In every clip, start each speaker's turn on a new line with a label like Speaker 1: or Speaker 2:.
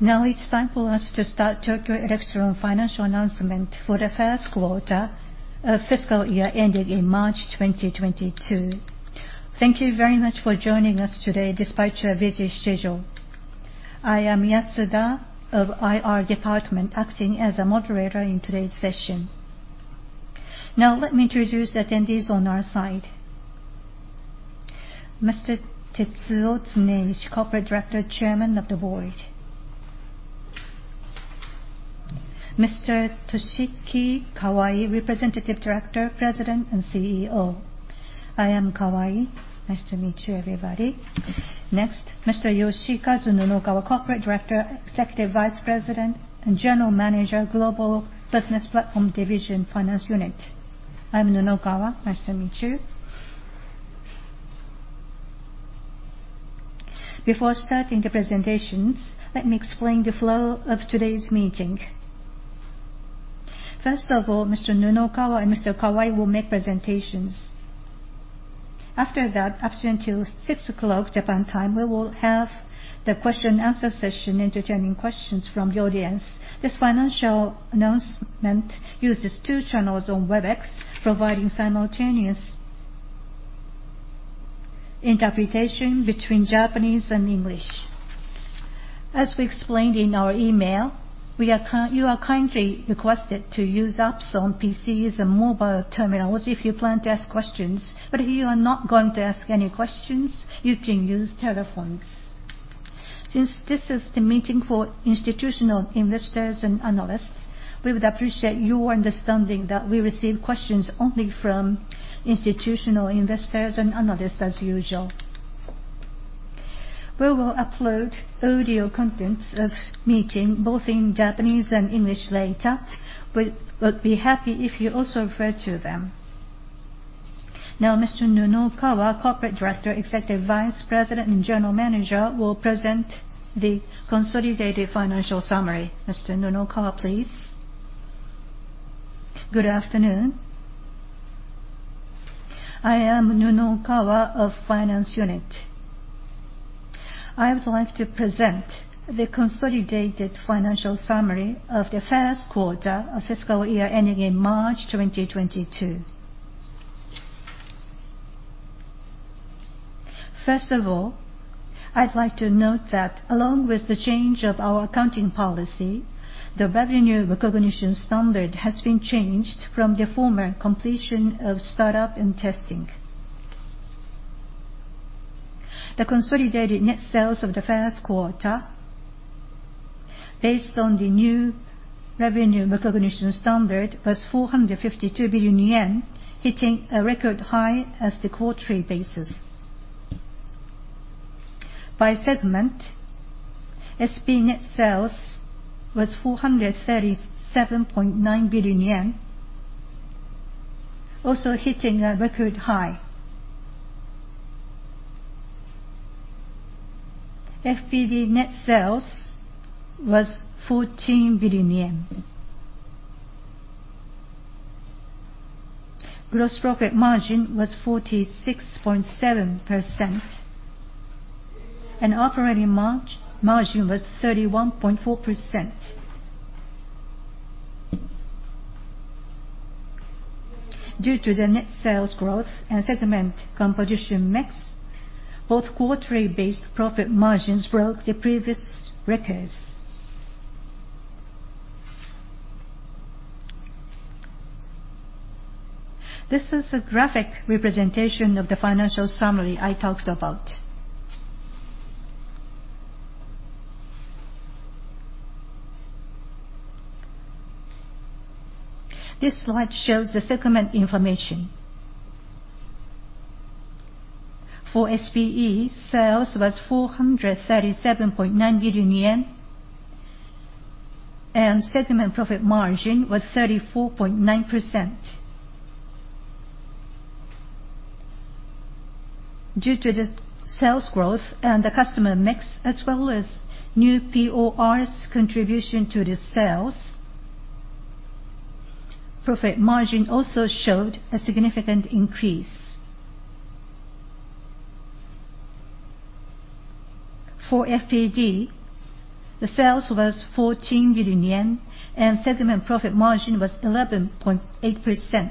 Speaker 1: It's time for us to start Tokyo Electron financial announcement for the first quarter of fiscal year ending in March 2022. Thank you very much for joining us today despite your busy schedule. I am Yatsuda of IR Department, acting as a moderator in today's session. Let me introduce attendees on our side. Mr. Tetsuo Tsuneishi, Corporate Director and Chairman of the Board. Mr. Toshiki Kawai, Representative Director, President and CEO.
Speaker 2: I am Kawai. Nice to meet you, everybody.
Speaker 1: Mr. Yoshikazu Nunokawa, Corporate Director, Executive Vice President and General Manager, Global Business Platform Division, finance unit.
Speaker 3: I am Nunokawa. Nice to meet you.
Speaker 1: Before starting the presentations, let me explain the flow of today's meeting. Mr. Nunokawa and Mr. Kawai will make presentations. Up until 6:00 Japan time, we will have the question and answer session, entertaining questions from the audience. This financial announcement uses two channels on Webex, providing simultaneous interpretation between Japanese and English. As we explained in our email, you are kindly requested to use apps on PCs and mobile terminals if you plan to ask questions, but if you are not going to ask any questions, you can use telephones. Since this is the meeting for institutional investors and analysts, we would appreciate your understanding that we receive questions only from institutional investors and analysts as usual. We will upload audio contents of meeting both in Japanese and English later. We'll be happy if you also refer to them. Now, Mr. Nunokawa, Corporate Director, Executive Vice President and General Manager will present the consolidated financial summary. Mr. Nunokawa, please.
Speaker 3: Good afternoon. I am Nunokawa of Finance unit. I would like to present the consolidated financial summary of the first quarter of fiscal year ending in March 2022. First of all, I'd like to note that along with the change of our accounting policy, the revenue recognition standard has been changed from the former, completion of startup and testing. The consolidated net sales of the first quarter, based on the new revenue recognition standard, was 452 billion yen, hitting a record high as the quarterly basis. By segment, SPE net sales was 437.9 billion yen, also hitting a record high. FPD net sales was JPY 14 billion. Gross profit margin was 46.7%, and operating margin was 31.4%. Due to the net sales growth and segment composition mix, both quarterly based profit margins broke the previous records. This is a graphic representation of the financial summary I talked about. This slide shows the segment information. For SPE, sales was 437.9 billion yen and segment profit margin was 34.9%. Due to the sales growth and the customer mix as well as new PORs contribution to the sales, profit margin also showed a significant increase. For FPD, the sales was 14 billion yen and segment profit margin was 11.8%.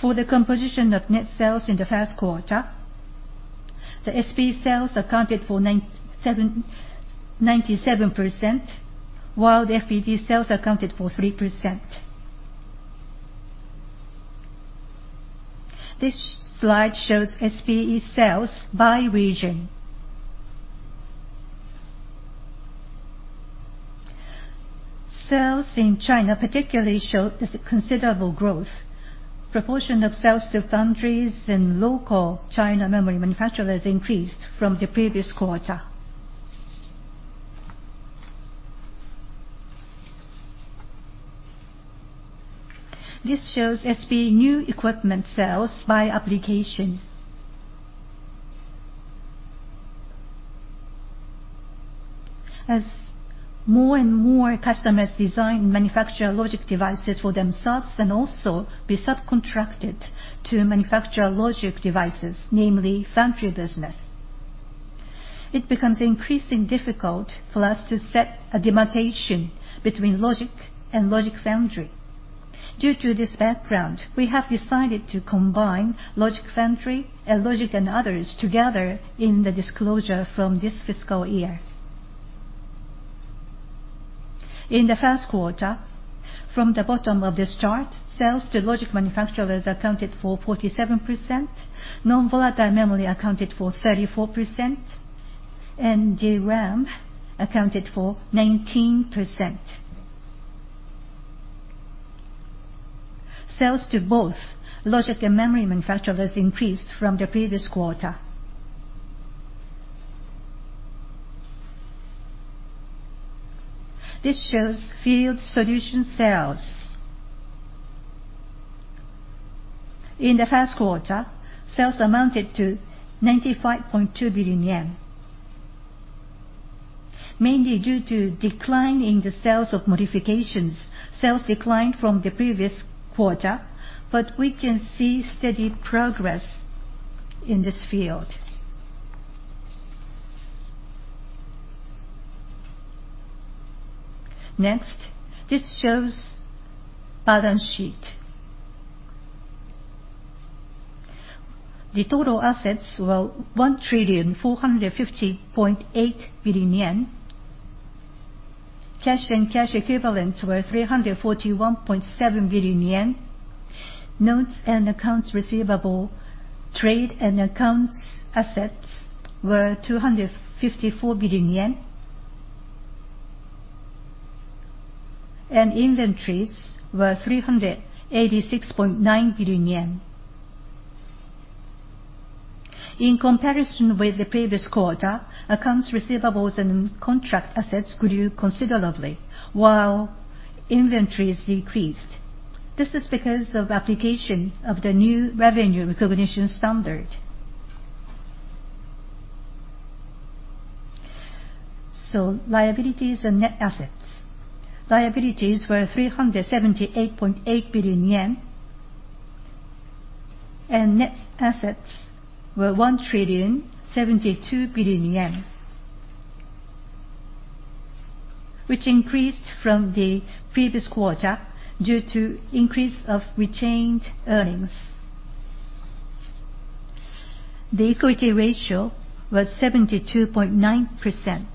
Speaker 3: For the composition of net sales in the first quarter, the SPE sales accounted for 97%, while the FPD sales accounted for 3%. This slide shows SPE sales by region. Sales in China particularly showed a considerable growth. Proportion of sales to foundries and local China memory manufacturers increased from the previous quarter. This shows SPE new equipment sales by application. As more and more customers design manufacture logic devices for themselves, and also be subcontracted to manufacture logic devices, namely foundry business, it becomes increasingly difficult for us to set a demarcation between logic and logic foundry. Due to this background, we have decided to combine logic foundry and logic and others together in the disclosure from this fiscal year. In the first quarter, from the bottom of this chart, sales to logic manufacturers accounted for 47%, non-volatile memory accounted for 34%, and DRAM accounted for 19%. Sales to both logic and memory manufacturers increased from the previous quarter. This shows field solution sales. In the first quarter, sales amounted to 95.2 billion yen. Mainly due to decline in the sales of modifications, sales declined from the previous quarter, but we can see steady progress in this field. Next, this shows balance sheet. The total assets were 1.4508 trillion yen, cash and cash equivalents were 341.7 billion yen, notes and accounts receivable, trade, and accounts assets were JPY 254 billion, and inventories were JPY 386.9 billion. In comparison with the previous quarter, accounts receivables and contract assets grew considerably while inventories decreased. This is because of application of the new revenue recognition standard. Liabilities and net assets. Liabilities were 378.8 billion yen, and net assets were 1.072 trillion, which increased from the previous quarter due to increase of retained earnings. The equity ratio was 72.9%.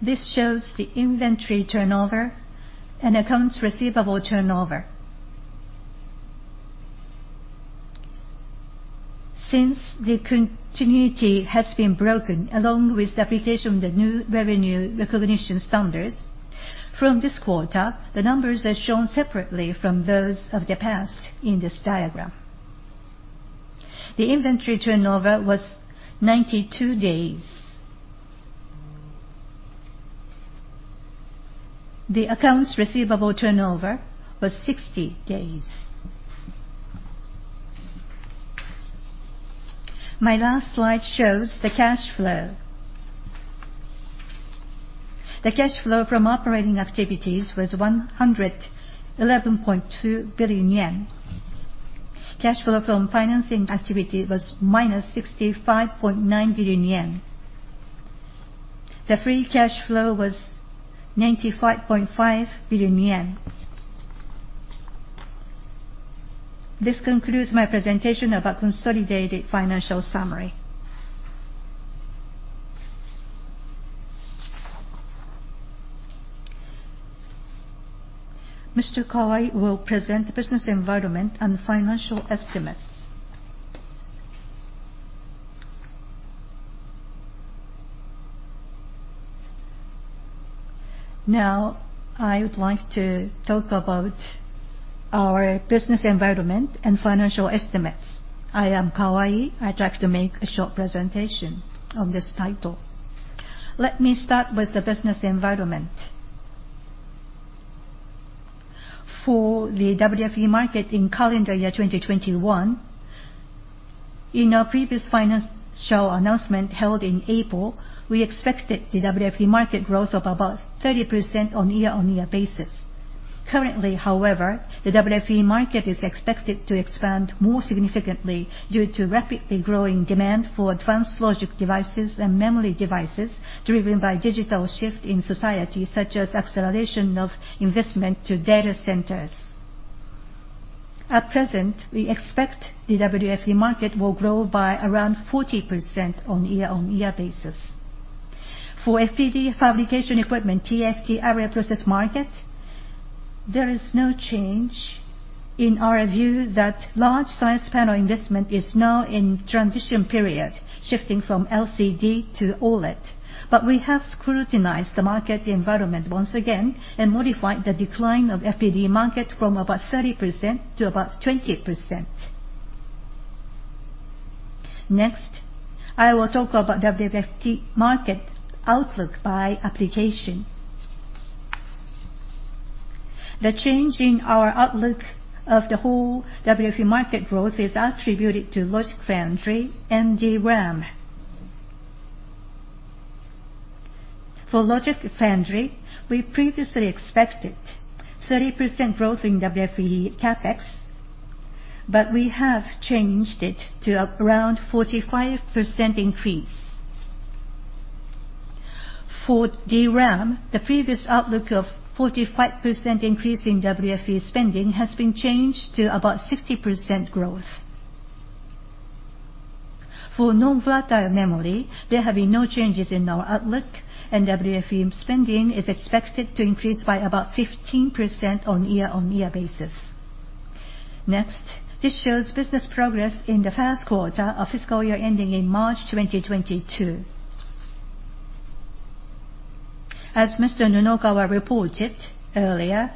Speaker 3: This shows the inventory turnover and accounts receivable turnover. Since the continuity has been broken, along with the application of the new revenue recognition standards, from this quarter, the numbers are shown separately from those of the past in this diagram. The inventory turnover was 92 days. The accounts receivable turnover was 60 days. My last slide shows the cash flow. The cash flow from operating activities was 111.2 billion yen. Cash flow from financing activity was -65.9 billion yen. The free cash flow was 95.5 billion yen. This concludes my presentation of our consolidated financial summary.
Speaker 1: Mr. Kawai will present the business environment and financial estimates.
Speaker 2: Now, I would like to talk about our business environment and financial estimates. I am Kawai. I'd like to make a short presentation on this title. Let me start with the business environment. For the WFE market in calendar year 2021, in our previous financial announcement held in April, we expected the WFE market growth of about 30% on year-on-year basis. Currently, however, the WFE market is expected to expand more significantly due to rapidly growing demand for advanced logic devices and memory devices driven by digital shift in society, such as acceleration of investment to data centers. At present, we expect the WFE market will grow by around 40% on year-on-year basis. For FPD fabrication equipment, TFT area process market, there is no change in our view that large size panel investment is now in transition period, shifting from LCD to OLED. We have scrutinized the market environment once again and modified the decline of FPD market from about 30% to about 20%. I will talk about WFE market outlook by application. The change in our outlook of the whole WFE market growth is attributed to logic foundry and DRAM. For logic foundry, we previously expected 30% growth in WFE CapEx, but we have changed it to around 45% increase. For DRAM, the previous outlook of 45% increase in WFE spending has been changed to about 60% growth. For non-volatile memory, there have been no changes in our outlook, and WFE spending is expected to increase by about 15% on year-on-year basis. This shows business progress in the first quarter of fiscal year ending in March 2022. As Mr. Nunokawa reported earlier,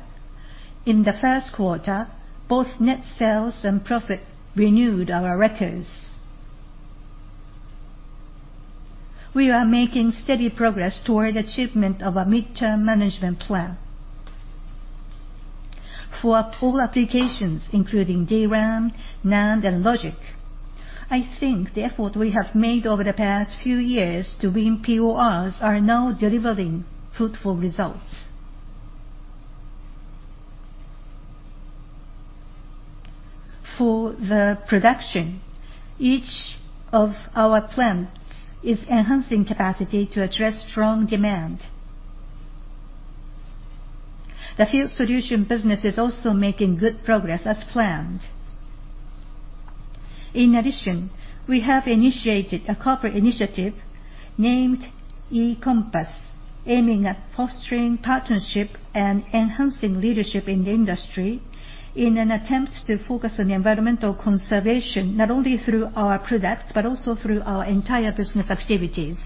Speaker 2: in the first quarter, both net sales and profit renewed our records. We are making steady progress toward achievement of our midterm management plan. For all applications including DRAM, NAND, and logic, I think the effort we have made over the past few years to win PORs are now delivering fruitful results. For the production, each of our plants is enhancing capacity to address strong demand. The field solution business is also making good progress as planned. In addition, we have initiated a corporate initiative named E-COMPASS, aiming at fostering partnership and enhancing leadership in the industry in an attempt to focus on environmental conservation, not only through our products, but also through our entire business activities.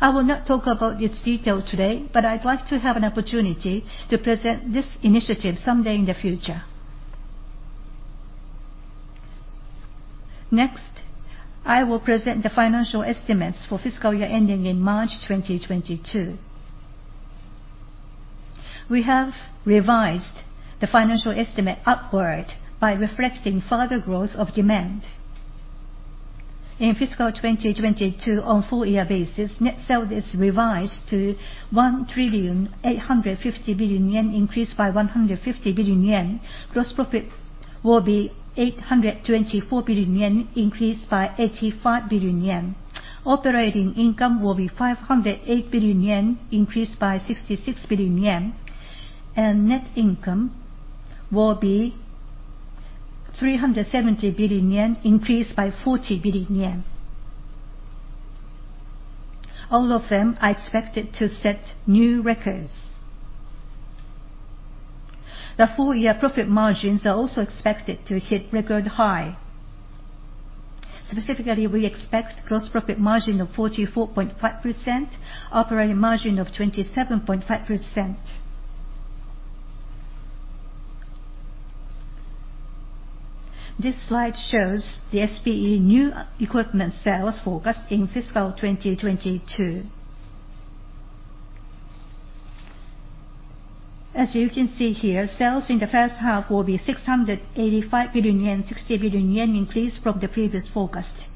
Speaker 2: I will not talk about this detail today, but I'd like to have an opportunity to present this initiative someday in the future. Next, I will present the financial estimates for fiscal year ending in March 2022. We have revised the financial estimate upward by reflecting further growth of demand. In fiscal 2022 on full year basis, net sales is revised to 1.850 trillion, increased by 150 billion yen. Gross profit will be 824 billion yen, increased by 85 billion yen. Operating income will be 508 billion yen, increased by 66 billion yen. Net income will be 370 billion yen, increased by JPY 40 billion. All of them are expected to set new records. The full year profit margins are also expected to hit record high. Specifically, we expect gross profit margin of 44.5%, operating margin of 27.5%. This slide shows the SPE new equipment sales forecast in fiscal 2022. As you can see here, sales in the first half will be 685 billion yen, 60 billion yen increased from the previous forecast.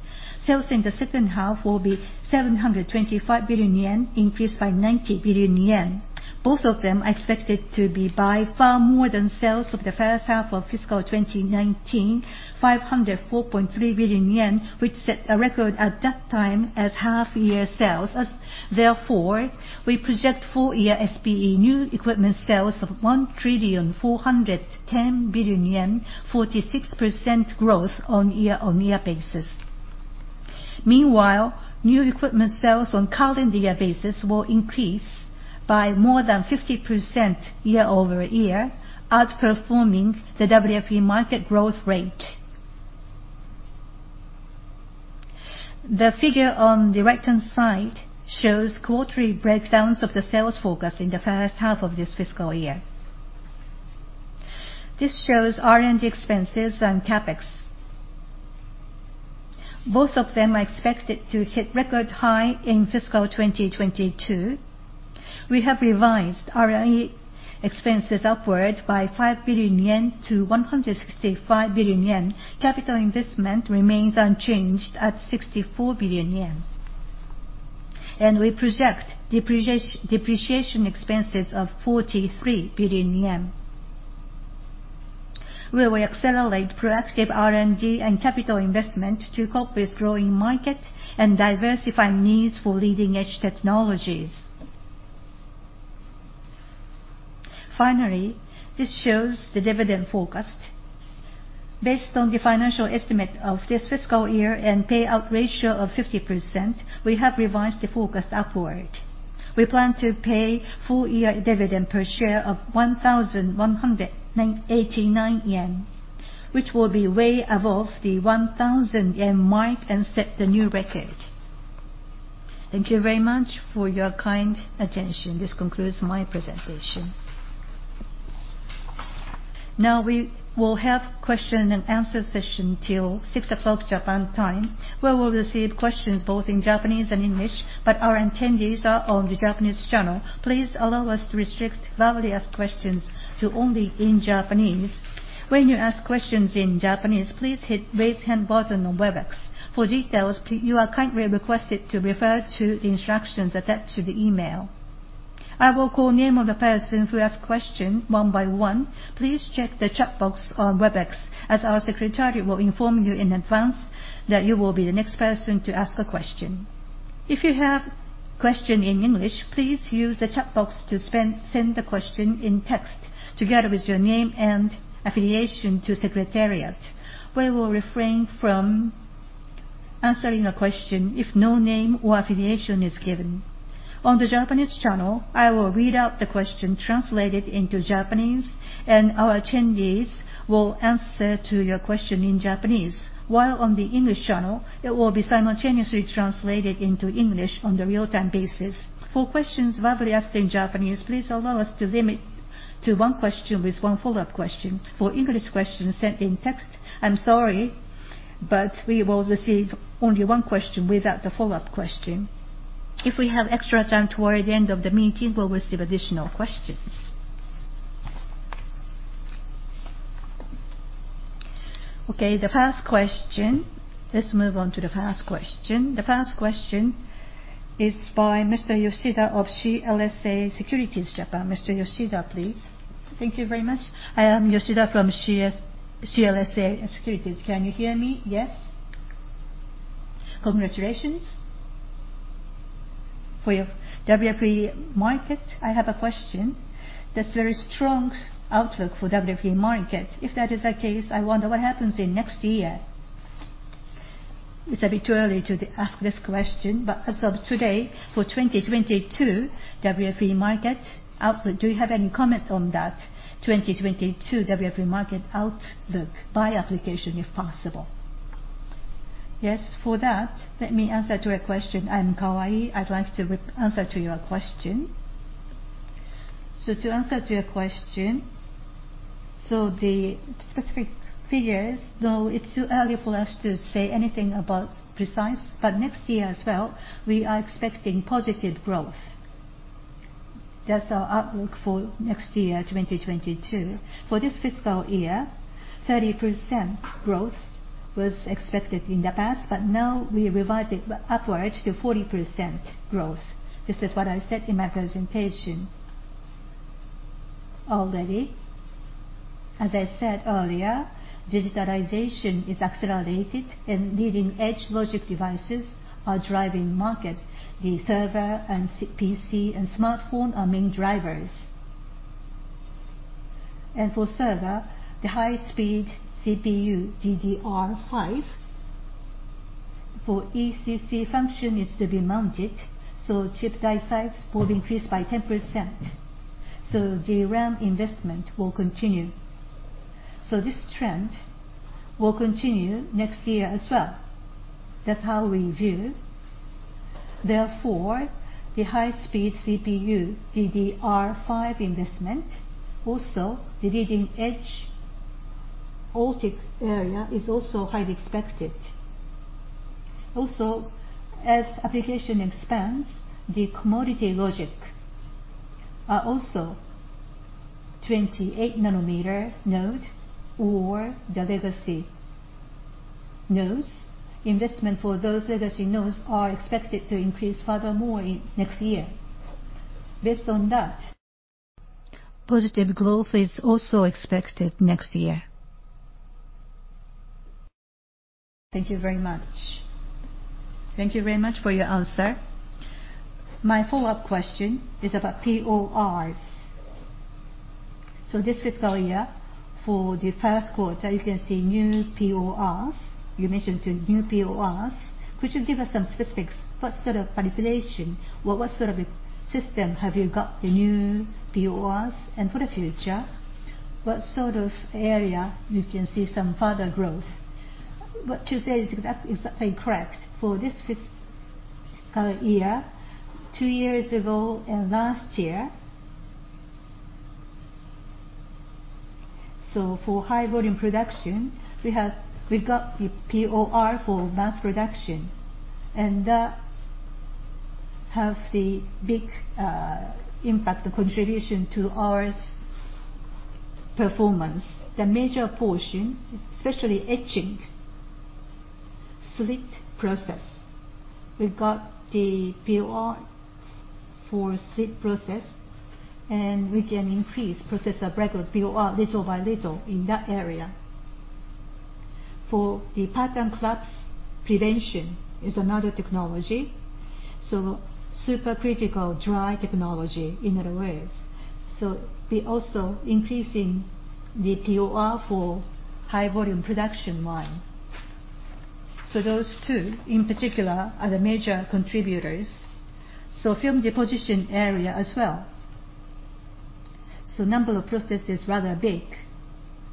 Speaker 2: Sales in the second half will be 725 billion yen, increased by 90 billion yen. Both of them are expected to be by far more than sales of the first half of fiscal 2019, 504.3 billion yen, which set a record at that time as half year sales. Therefore, we project full year SPE new equipment sales of 1.410 trillion, 46% growth on year-on-year basis. Meanwhile, new equipment sales on calendar year basis will increase by more than 50% year-over-year, outperforming the WFE market growth rate. The figure on the right-hand side shows quarterly breakdowns of the sales forecast in the first half of this fiscal year. This shows R&D expenses and CapEx. Both of them are expected to hit record high in fiscal 2022. We have revised R&D expenses upward by 5 billion yen to 165 billion yen. Capital investment remains unchanged at 64 billion yen. We project depreciation expenses of 43 billion yen, where we accelerate proactive R&D and capital investment to cope with growing market and diversify needs for leading-edge technologies. Finally, this shows the dividend forecast. Based on the financial estimate of this fiscal year and payout ratio of 50%, we have revised the forecast upward. We plan to pay full year dividend per share of 1,189 yen, which will be way above the 1,000 yen mark and set a new record. Thank you very much for your kind attention. This concludes my presentation.
Speaker 1: Now we will have question and answer session till 6:00 Japan time, where we'll receive questions both in Japanese and English, but our attendees are on the Japanese channel. Please allow us to restrict verbally asked questions to only in Japanese. When you ask questions in Japanese, please hit raise hand button on Webex. For details, you are kindly requested to refer to the instructions attached to the email. I will call name of the person who ask question one by one. Please check the chat box on Webex, as our secretary will inform you in advance that you will be the next person to ask a question. If you have question in English, please use the chat box to send the question in text together with your name and affiliation to secretariat. We will refrain from answering a question if no name or affiliation is given. On the Japanese channel, I will read out the question, translate it into Japanese, and our attendees will answer to your question in Japanese. While on the English channel, it will be simultaneously translated into English on the real-time basis. For questions verbally asked in Japanese, please allow us to limit to one question with one follow-up question. For English questions sent in text, I'm sorry, but we will receive only one question without the follow-up question. If we have extra time toward the end of the meeting, we'll receive additional questions. Okay, the first question. Let's move on to the first question. The first question is by Mr. Yoshida of CLSA Securities Japan. Mr. Yoshida, please.
Speaker 4: Thank you very much. I am Yoshida from CLSA Securities. Can you hear me?
Speaker 1: Yes.
Speaker 4: Congratulations for your WFE market. I have a question. There's very strong outlook for WFE market. If that is the case, I wonder what happens in next year. It's a bit too early to ask this question, but as of today, for 2022 WFE market outlook, do you have any comment on that 2022 WFE market outlook by application, if possible?
Speaker 2: Yes. For that, let me answer to your question. I'm Kawai. I'd like to answer to your question. To answer to your question, the specific figures, though it's too early for us to say anything about precise, but next year as well, we are expecting positive growth. That's our outlook for next year, 2022. For this fiscal year, 30% growth was expected in the past, but now we revised it upward to 40% growth. This is what I said in my presentation already. As I said earlier, digitalization is accelerated and leading edge logic devices are driving market. The server, and PC, and smartphone are main drivers. For server, the high speed CPU, DDR5, for ECC function is to be mounted, so chip die size will increase by 10%. The RAM investment will continue. This trend will continue next year as well. That's how we view. Therefore, the high speed CPU, DDR5 investment, also the leading edge logic area is also highly expected. As application expands, the commodity logic are also 28 nm node or the legacy nodes. Investment for those legacy nodes are expected to increase furthermore next year. Based on that, positive growth is also expected next year. Thank you very much.
Speaker 4: Thank you very much for your answer. My follow-up question is about PORs. This fiscal year, for the first quarter, you can see new PORs. You mentioned new PORs. Could you give us some specifics? What sort of application or what sort of a system have you got the new PORs? For the future, what sort of area you can see some further growth?
Speaker 2: What you said is exactly correct. For this fiscal year, two years ago and last year, for high volume production, we've got the POR for mass production, that have the big impact or contribution to our performance. The major portion is especially etching selective process. We've got the POR for selective process, we can increase processor breadth of POR little by little in that area. For the pattern collapse prevention is another technology, Supercritical drying technology, in other words. We're also increasing the POR for high volume production line. Those two in particular are the major contributors. Film deposition area as well. Number of processes rather big.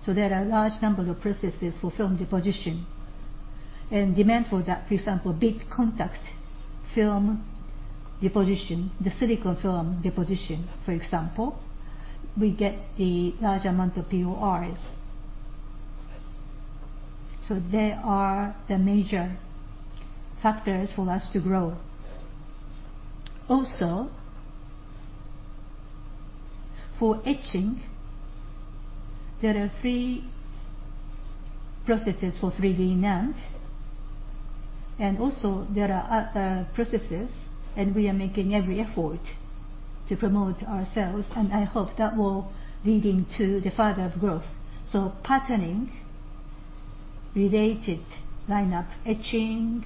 Speaker 2: There are large number of processes for film deposition. Demand for that, for example, big contact film deposition, the silicon film deposition, for example, we get the large amount of PORs. They are the major factors for us to grow. Also, for etching, there are three processes for 3D NAND, and also there are other processes, and we are making every effort to promote ourselves, and I hope that will lead into the further growth. Patterning related lineup, etching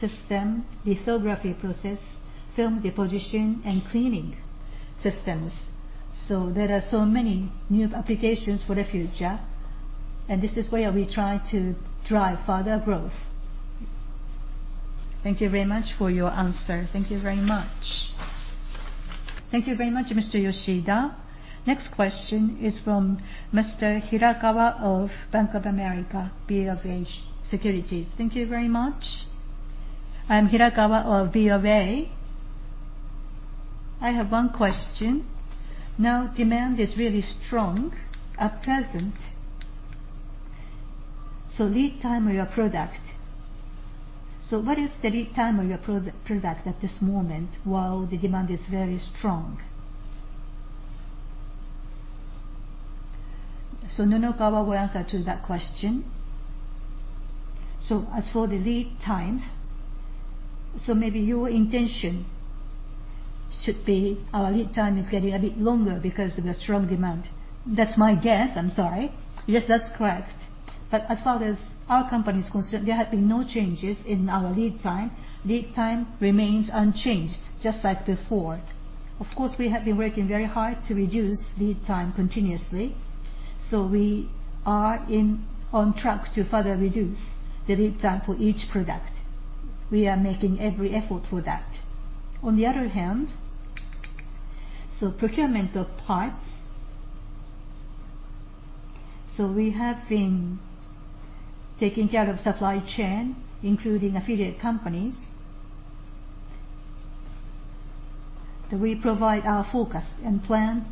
Speaker 2: system, lithography process, film deposition, and cleaning systems. There are so many new applications for the future, and this is where we try to drive further growth.
Speaker 4: Thank you very much for your answer.
Speaker 2: Thank you very much.
Speaker 1: Thank you very much, Mr. Yoshida. Next question is from Mr. Hirakawa of Bank of America, BofA Securities.
Speaker 5: Thank you very much. I'm Hirakawa of BofA. I have one question. Demand is really strong at present. What is the lead time of your product at this moment while the demand is very strong?
Speaker 2: Nunokawa will answer to that question.
Speaker 3: As for the lead time, maybe your intention should be our lead time is getting a bit longer because of the strong demand. That's my guess. I'm sorry.
Speaker 5: Yes, that's correct.
Speaker 3: As far as our company is concerned, there have been no changes in our lead time. Lead time remains unchanged just like before. Of course, we have been working very hard to reduce lead time continuously. We are on track to further reduce the lead time for each product. We are making every effort for that. On the other hand, procurement of parts. We have been taking care of supply chain, including affiliate companies. We provide our forecast and plan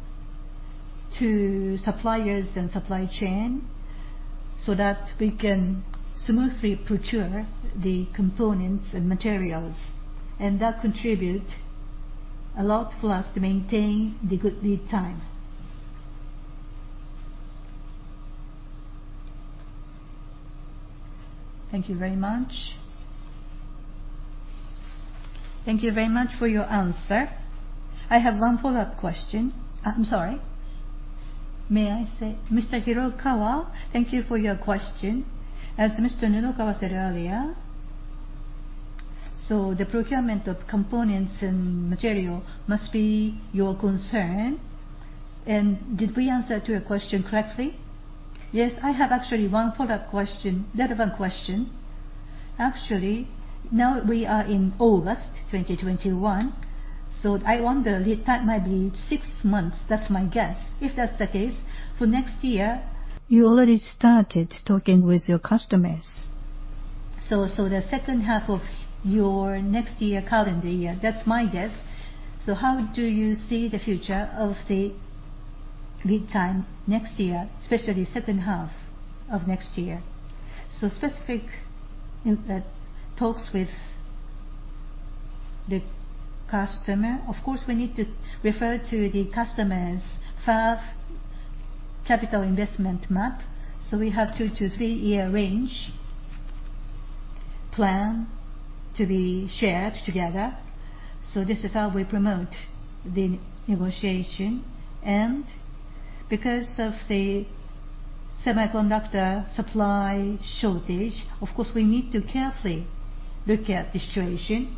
Speaker 3: to suppliers and supply chain so that we can smoothly procure the components and materials, and that contribute a lot for us to maintain the good lead time. Thank you very much.
Speaker 5: Thank you very much for your answer. I have one follow-up question.
Speaker 2: I'm sorry. May I say, Mr. Hirakawa, thank you for your question. As Mr. Nunokawa said earlier, the procurement of components and material must be your concern. Did we answer to your question correctly?
Speaker 5: Yes. I have actually one follow-up question, relevant question. Actually, now we are in August 2021, I wonder, lead time might be six months. That's my guess. If that's the case, for next year. You already started talking with your customers so the second half of your next year, calendar year. That's my guess. How do you see the future of the lead time next year, especially second half of next year?
Speaker 2: Specific talks with the customer, of course, we need to refer to the customer's fab capital investment map. We have two to three year range plan to be shared together. This is how we promote the negotiation, and because of the semiconductor supply shortage, of course, we need to carefully look at the situation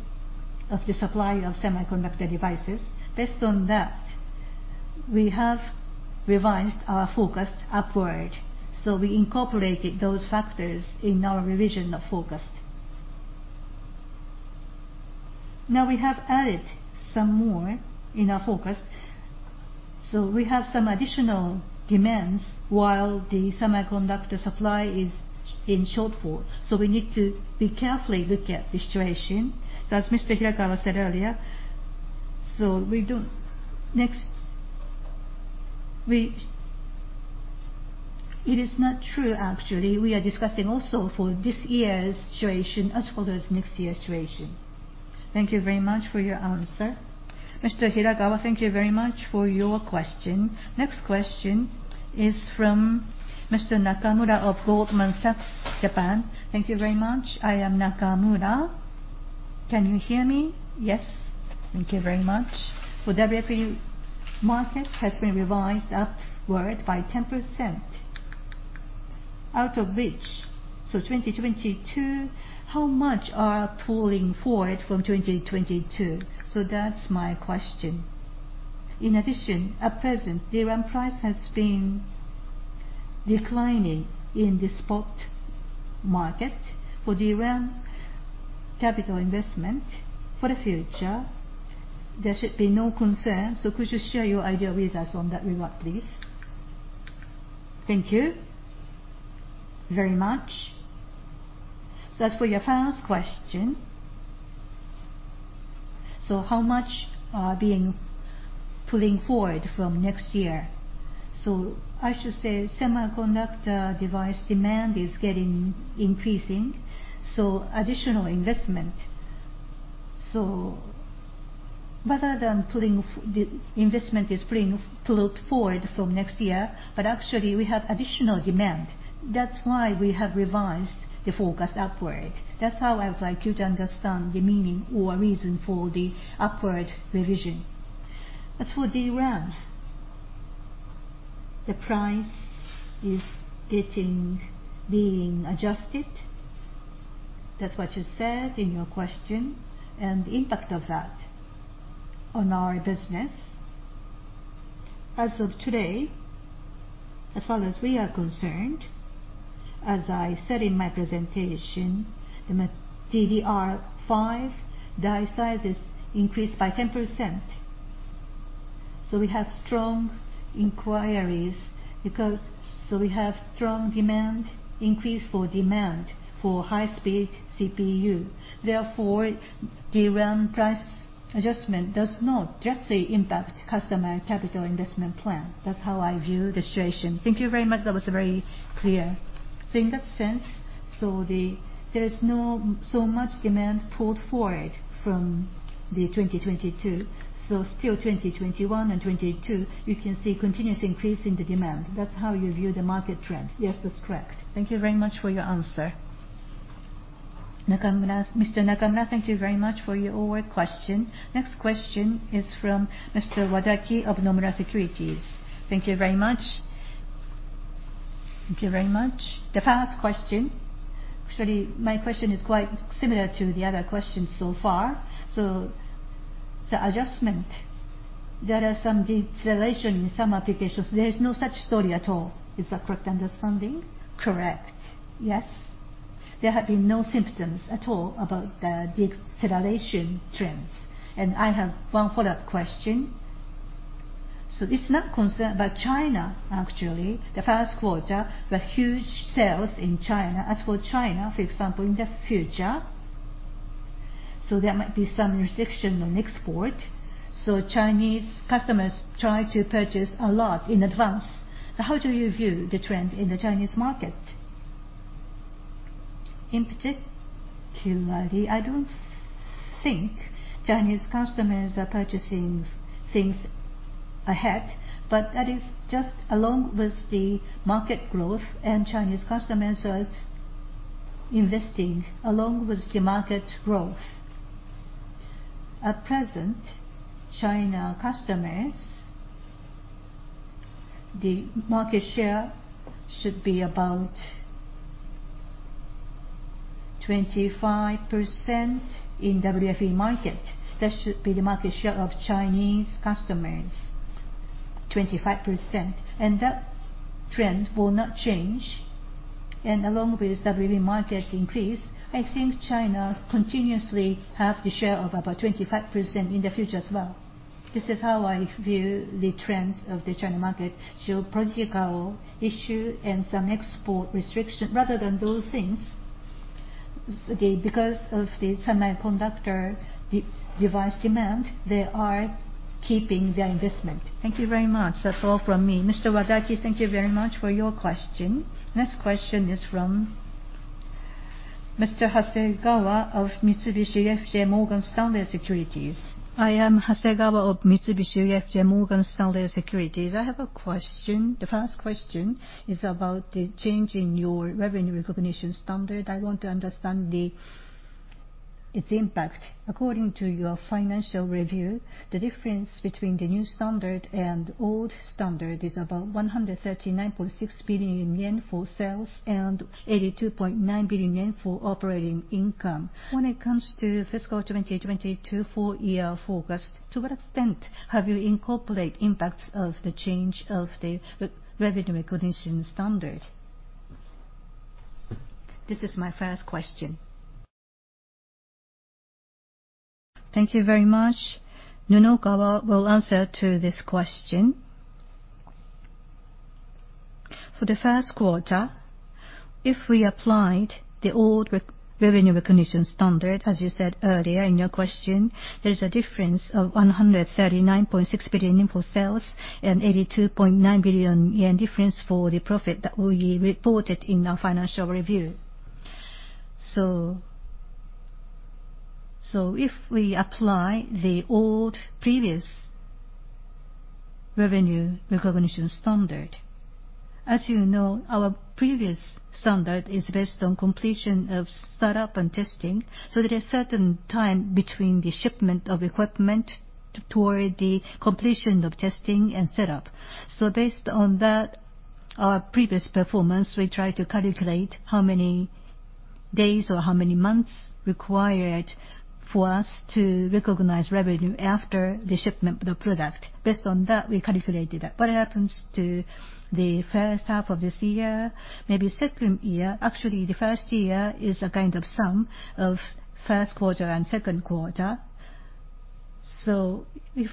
Speaker 2: of the supply of semiconductor devices. Based on that, we have revised our forecast upward. We incorporated those factors in our revision of forecast. Now we have added some more in our forecast, so we have some additional demands while the semiconductor supply is in shortfall. We need to carefully look at the situation. As Mr. Nunokawa said earlier, so it is not true, actually. We are discussing also for this year's situation as well as next year's situation.
Speaker 5: Thank you very much for your answer.
Speaker 1: Mr. Hirakawa, thank you very much for your question. Next question is from Mr. Nakamura of Goldman Sachs Japan.
Speaker 6: Thank you very much. I am Nakamura. Can you hear me?
Speaker 1: Yes.
Speaker 6: Thank you very much. For WFE, market has been revised upward by 10%. Out of which, 2022, how much are pulling forward from 2022? That's my question. In addition, at present, DRAM price has been declining in the spot market. For DRAM capital investment for the future, there should be no concern. Could you share your idea with us on that remark, please? Thank you very much.
Speaker 2: As for your first question, how much are being pulling forward from next year? I should say semiconductor device demand is getting increasing, so additional investment. Rather than the investment is pulling forward from next year, but actually we have additional demand. That's why we have revised the forecast upward. That's how I would like you to understand the meaning or reason for the upward revision. As for DRAM, the price is being adjusted. That's what you said in your question. The impact of that on our business, as of today, as far as we are concerned, as I said in my presentation, the DDR5 die size is increased by 10%. We have strong demand, increased for demand for high-speed CPU. Therefore, DRAM price adjustment does not directly impact customer capital investment plan. That's how I view the situation.
Speaker 6: Thank you very much. That was very clear. In that sense, there is not so much demand pulled forward from the 2022. Still 2021 and 2022, you can see continuous increase in the demand. That's how you view the market trend?
Speaker 2: Yes, that's correct.
Speaker 6: Thank you very much for your answer.
Speaker 1: Mr. Nakamura, thank you very much for your question. Next question is from Mr. Wadaki of Nomura Securities. Thank you very much.
Speaker 7: Thank you very much. The first question, actually, my question is quite similar to the other questions so far. Adjustment, there are some deceleration in some applications. There is no such story at all. Is that correct understanding?
Speaker 2: Correct. Yes. There have been no symptoms at all about the deceleration trends.
Speaker 7: I have one follow-up question. It's not concerned, but China, actually, the first quarter, the huge sales in China. As for China, for example, in the future, there might be some restriction on export, Chinese customers try to purchase a lot in advance. How do you view the trend in the Chinese market?
Speaker 2: In particular, I don't think Chinese customers are purchasing things ahead, but that is just along with the market growth and Chinese customers are investing along with the market growth. At present, China customers, the market share should be about 25% in WFE market. That should be the market share of Chinese customers, 25%. That trend will not change. Along with WFE market increase, I think China continuously have the share of about 25% in the future as well. This is how I view the trend of the China market. Political issue and some export restriction, rather than those things, because of the semiconductor device demand, they are keeping their investment.
Speaker 7: Thank you very much. That's all from me.
Speaker 1: Mr. Wadaki, thank you very much for your question. Next question is from Mr. Hasegawa of Mitsubishi UFJ Morgan Stanley Securities.
Speaker 8: I am Hasegawa of Mitsubishi UFJ Morgan Stanley Securities. I have a question. The first question is about the change in your revenue recognition standard. I want to understand its impact. According to your financial review, the difference between the new standard and old standard is about 139.6 billion yen for sales and 82.9 billion yen for operating income. When it comes to fiscal 2022 full year forecast, to what extent have you incorporate impacts of the change of the revenue recognition standard? This is my first question.
Speaker 2: Thank you very much. Nunokawa will answer to this question.
Speaker 3: For the first quarter, if we applied the old revenue recognition standard, as you said earlier in your question, there is a difference of 139.6 billion for sales and 82.9 billion yen difference for the profit that we reported in our financial review. If we apply the old previous revenue recognition standard, as you know, our previous standard is based on completion of startup and testing. There is certain time between the shipment of equipment toward the completion of testing and setup. Based on that, our previous performance, we try to calculate how many days or how many months required for us to recognize revenue after the shipment of the product. Based on that, we calculated that.
Speaker 8: What happens to the first half of this year, maybe second year?
Speaker 3: Actually, the first year is a kind of sum of first quarter and second quarter. If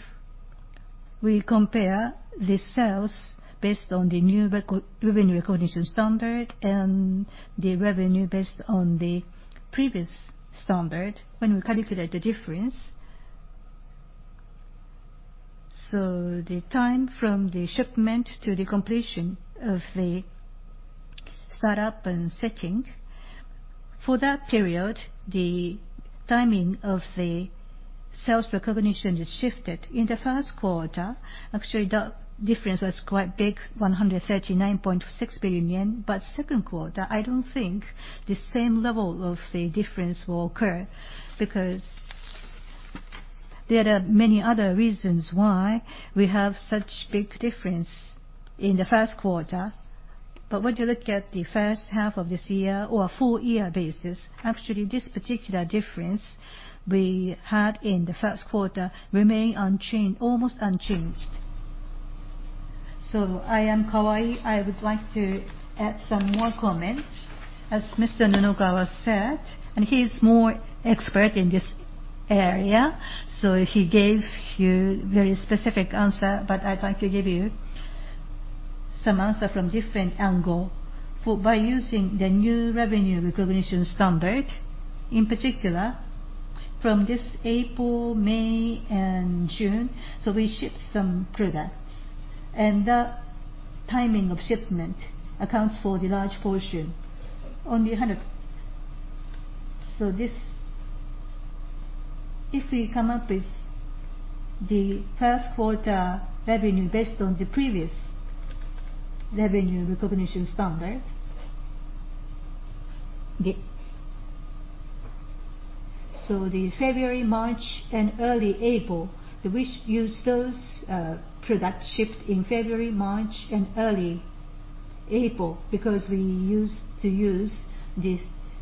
Speaker 3: we compare the sales based on the new revenue recognition standard and the revenue based on the previous standard, when we calculate the difference, the time from the shipment to the completion of the setup and setting, for that period, the timing of the sales recognition is shifted. In the first quarter, actually, the difference was quite big, 139.6 billion yen, but second quarter, I don't think the same level of the difference will occur because there are many other reasons why we have such big difference in the first quarter. When you look at the first half of this year or a full year basis, actually, this particular difference we had in the first quarter remain almost unchanged.
Speaker 2: I am Kawai, I would like to add some more comments. As Mr. Nunokawa said, and he's more expert in this area, so he gave you very specific answer, but I'd like to give you some answer from different angle. By using the new revenue recognition standard, in particular, from this April, May, and June, so we ship some products. That timing of shipment accounts for the large portion on the hundred. This, if we come up with the first quarter revenue based on the previous revenue recognition standard. The February, March, and early April, we use those product shift in February, March, and early April because we used to use this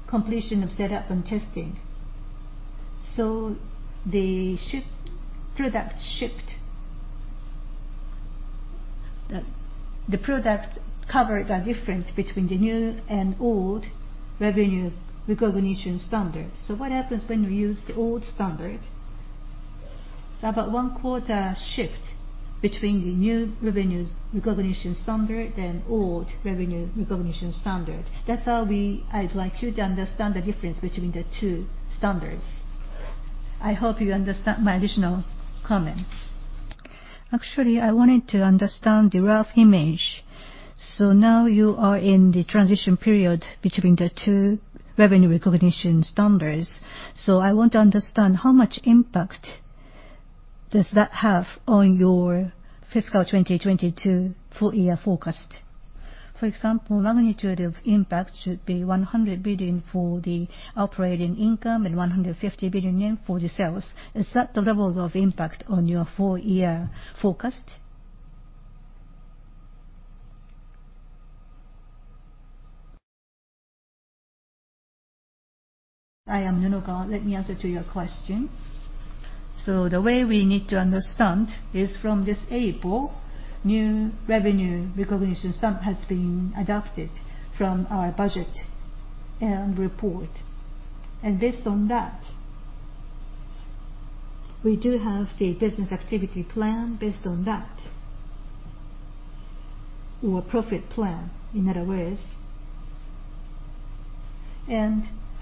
Speaker 2: completion of setup and testing. The product covered the difference between the new and old revenue recognition standard.
Speaker 8: What happens when you use the old standard?
Speaker 2: About one-quarter shift between the new revenue recognition standard and old revenue recognition standard. That's how I'd like you to understand the difference between the two standards. I hope you understand my additional comments.
Speaker 8: I wanted to understand the rough image. Now you are in the transition period between the two revenue recognition standards. I want to understand how much impact does that have on your fiscal 2022 full year forecast. For example, magnitude of impact should be 100 billion for the operating income and 150 billion yen for the sales. Is that the level of impact on your full year forecast?
Speaker 3: I am Nunokawa. Let me answer to your question. The way we need to understand is from this April, new revenue recognition standard has been adopted from our budget and report. Based on that, we do have the business activity plan based on that, or profit plan, in other words.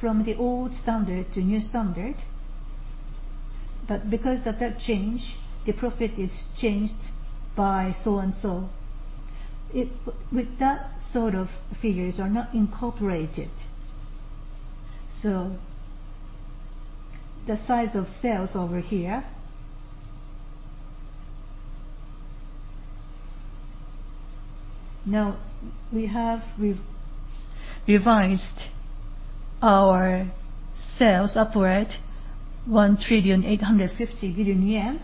Speaker 3: From the old standard to new standard, but because of that change, the profit is changed by so and so. With that sort of figures are not incorporated. The size of sales over here. Now we have revised our sales upward 1.850 trillion,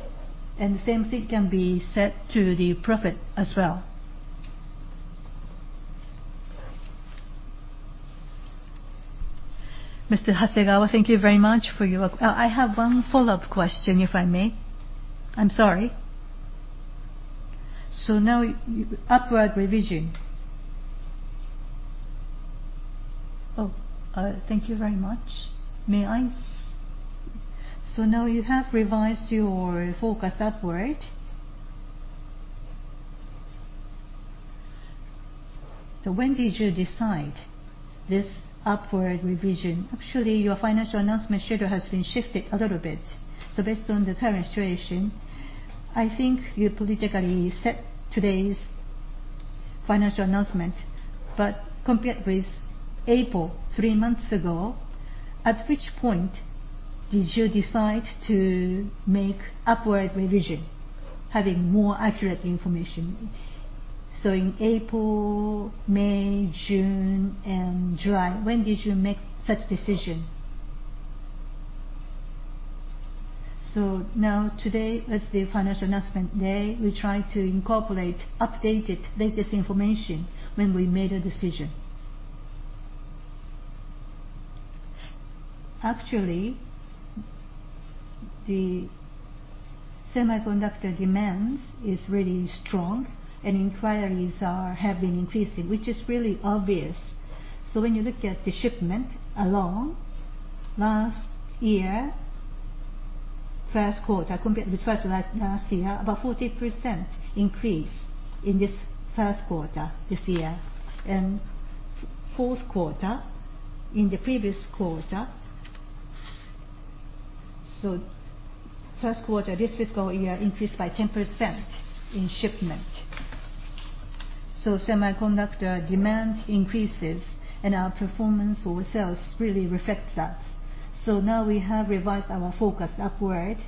Speaker 3: and the same thing can be said to the profit as well.
Speaker 1: Mr. Hasegawa, thank you very much for your.
Speaker 8: I have one follow-up question, if I may. I'm sorry. Now upward revision. Oh, thank you very much. May I? Now you have revised your forecast upward. When did you decide this upward revision? Actually, your financial announcement schedule has been shifted a little bit. Based on the current situation, I think you politically set today's financial announcement. Compared with April, three months ago, at which point did you decide to make upward revision, having more accurate information? In April, May, June, and July, when did you make such decision?
Speaker 3: Now, today is the financial announcement day. We try to incorporate updated latest information when we made a decision. Actually, the semiconductor demands is really strong and inquiries have been increasing, which is really obvious. When you look at the shipment alone last year, first quarter compared with first last year, about 40% increase in this first quarter this year. Fourth quarter, in the previous quarter, first quarter, this fiscal year increased by 10% in shipment. Semiconductor demand increases, and our performance or sales really reflects that. Now we have revised our forecast upward.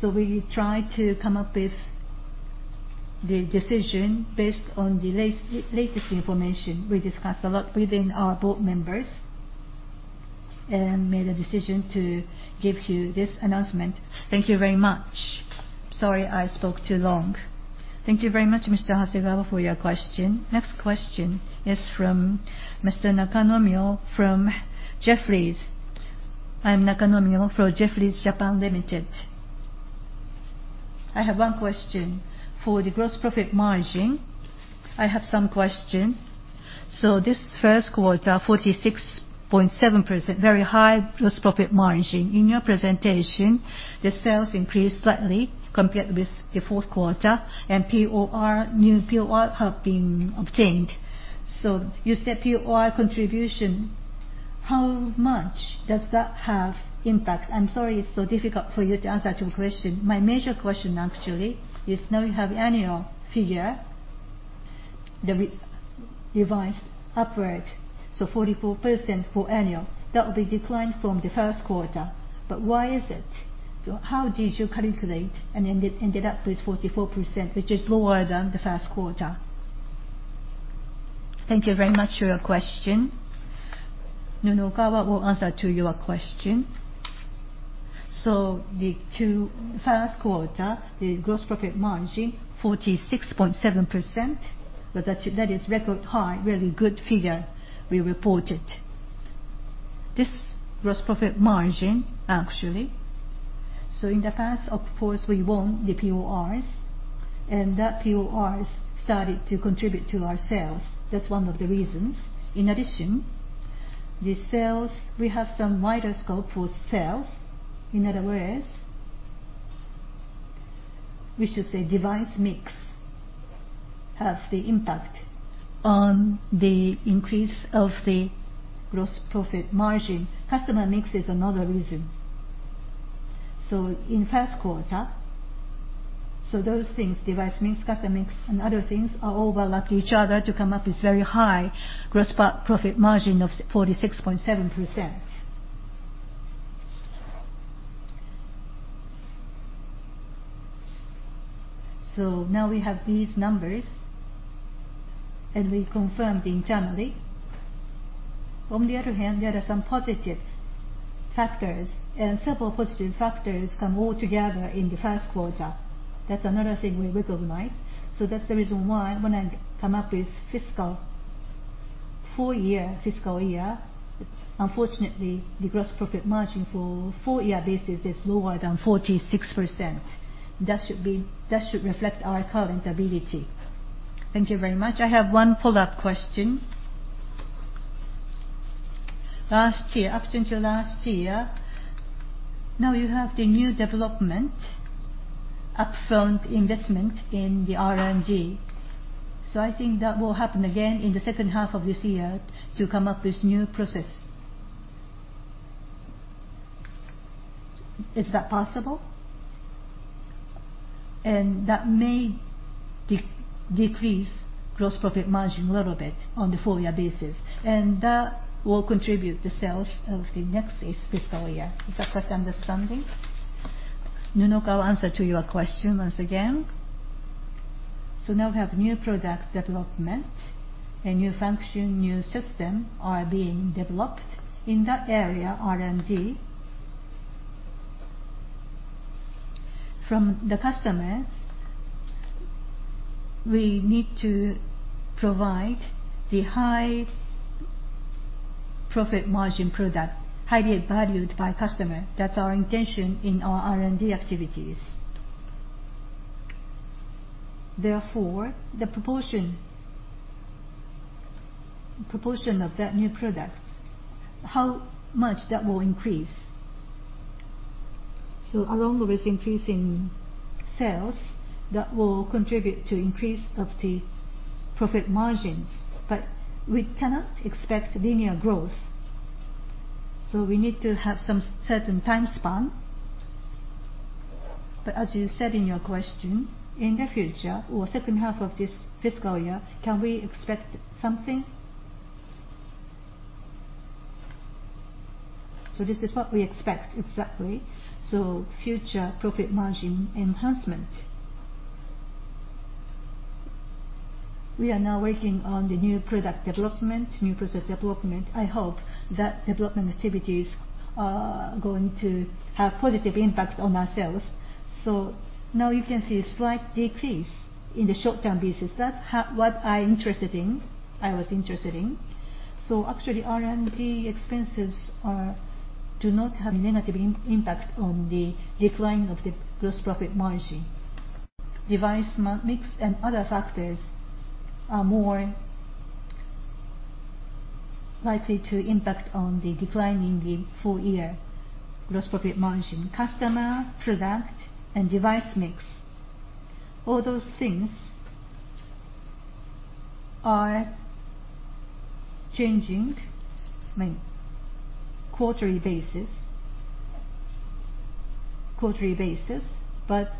Speaker 3: We try to come up with the decision based on the latest information. We discussed a lot within our board members and made a decision to give you this announcement.
Speaker 8: Thank you very much. Sorry I spoke too long.
Speaker 1: Thank you very much, Mr. Hasegawa, for your question. Next question is from Mr. Nakanomyo from Jefferies.
Speaker 9: I'm Nakanomyo from Jefferies Japan Limited. I have one question. For the gross profit margin, I have some question. This first quarter, 46.7%, very high gross profit margin. In your presentation, the sales increased slightly compared with the fourth quarter, and POR, new POR have been obtained. You said POR contribution, how much does that have impact? I'm sorry it's so difficult for you to answer to question. My major question actually is now you have annual figure, the revised upward, so 44% for annual. That will be decline from the first quarter, why is it? How did you calculate and ended up with 44%, which is lower than the first quarter?
Speaker 2: Thank you very much for your question. Nunokawa will answer to your question.
Speaker 3: The two first quarter, the gross profit margin, 46.7%. That is record high, really good figure we reported. This gross profit margin, actually, in the past, of course, we won the PORs, and that PORs started to contribute to our sales. That's one of the reasons. In addition, the sales, we have some wider scope for sales. In other words, we should say device mix have the impact on the increase of the gross profit margin. Customer mix is another reason. In first quarter, those things, device mix, customer mix, and other things, are overlap to each other to come up with very high gross profit margin of 46.7%. Now we have these numbers, and we confirmed internally. On the other hand, there are some positive factors, and several positive factors come all together in the first quarter. That's another thing we recognize. That's the reason why when I come up with fiscal, full year fiscal year, unfortunately, the gross profit margin for full year basis is lower than 46%. That should reflect our current ability.
Speaker 9: Thank you very much. I have one follow-up question. Last year, up until last year, now you have the new development, upfront investment in the R&D. I think that will happen again in the second half of this year to come up with new process. Is that possible? That may decrease gross profit margin a little bit on the full year basis, and that will contribute the sales of the next fiscal year. Is that correct understanding?
Speaker 2: Nunokawa answer to your question once again.
Speaker 3: Now we have new product development, a new function, new system are being developed in that area, R&D. From the customers, we need to provide the high profit margin product, highly valued by customer. That's our intention in our R&D activities. Therefore, the proportion of that new products, how much that will increase. Along with increasing sales, that will contribute to increase of the profit margins, but we cannot expect linear growth, so we need to have some certain time span. As you said in your question, in the future or second half of this fiscal year, can we expect something? This is what we expect exactly, so future profit margin enhancement. We are now working on the new product development, new process development. I hope that development activities are going to have positive impact on our sales. Now you can see a slight decrease in the short-term basis. That's what I interested in, I was interested in. Actually, R&D expenses do not have negative impact on the decline of the gross profit margin. Device mix and other factors are more likely to impact on the decline in the full year gross profit margin. Customer, product, and device mix. All those things are changing quarterly basis, but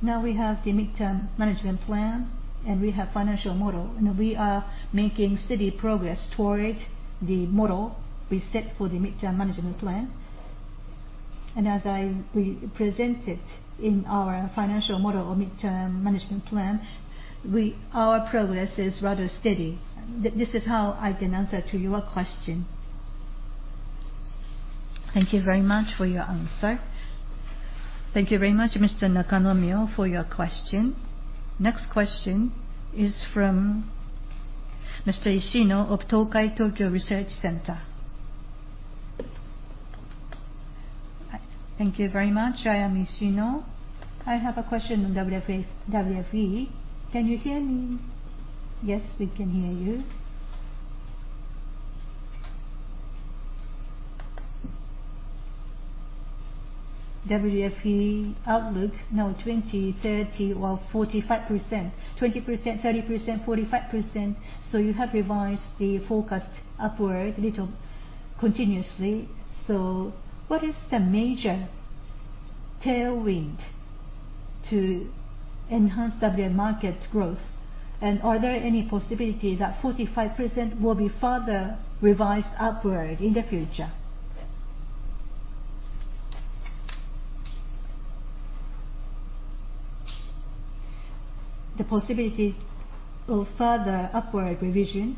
Speaker 3: now we have the Midterm Management Plan, and we have Financial Model, and we are making steady progress toward the model we set for the Midterm Management Plan. As we presented in our Financial Model or Midterm Management Plan, our progress is rather steady. This is how I can answer to your question.
Speaker 9: Thank you very much for your answer.
Speaker 1: Thank you very much, Mr. Nakanomyo, for your question. Next question is from Mr. Ishino of Tokai Tokyo Research Center.
Speaker 10: Thank you very much. I am Ishino. I have a question on WFE. Can you hear me?
Speaker 1: Yes, we can hear you.
Speaker 10: WFE outlook now 20%, 30% or 45%. 20%, 30%, 45%, so you have revised the forecast upward a little continuously. What is the major tailwind to enhance WFE market growth? Are there any possibility that 45% will be further revised upward in the future?
Speaker 2: The possibility of further upward revision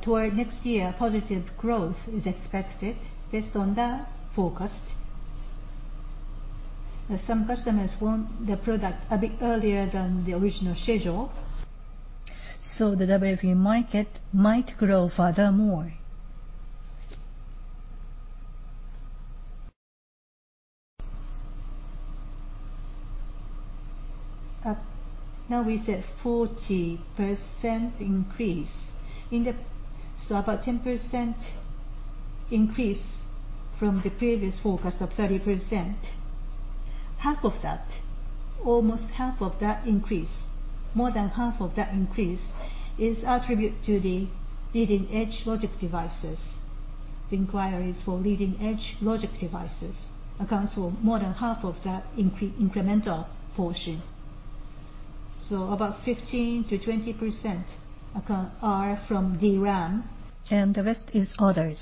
Speaker 2: toward next year, positive growth is expected based on the forecast. Some customers want the product a bit earlier than the original schedule, so the WFE market might grow furthermore. We said 40% increase. About 10% increase from the previous forecast of 30%. Almost half of that increase, more than half of that increase, is attribute to the leading-edge logic devices. The inquiries for leading-edge logic devices accounts for more than half of that incremental portion. About 15%-20% are from DRAM, and the rest is others.